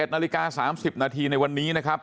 ๑นาฬิกา๓๐นาทีในวันนี้นะครับ